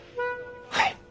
はい。